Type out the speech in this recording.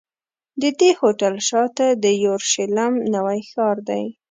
د دې هوټل شاته د یورشلېم نوی ښار دی.